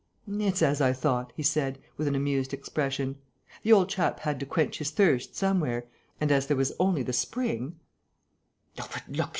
"It's as I thought," he said, with an amused expression. "The old chap had to quench his thirst somewhere; and, as there was only the spring...."